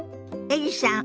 エリさん